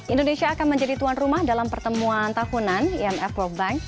indonesia akan menjadi tuan rumah dalam pertemuan tahunan imf world bank